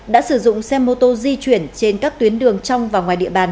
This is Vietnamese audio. đã sử dụng xe mô tô di chuyển trên các tuyến đường trong và ngoài địa bàn